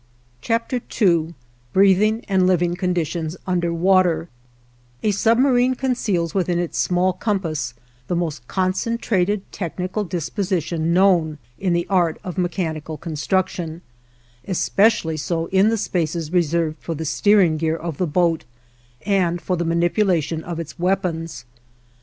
II BREATHING AND LIVING CONDITIONS UNDER WATER A submarine conceals within its small compass the most concentrated technical disposition known in the art of mechanical construction, especially so in the spaces reserved for the steering gear of the boat and for the manipulation of its weapons.